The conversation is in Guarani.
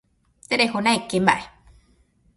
Terehóna eke mba'e.